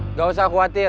nggak usah khawatir